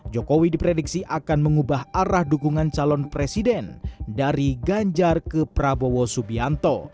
jokowi diprediksi akan mengubah arah dukungan calon presiden dari ganjar ke prabowo subianto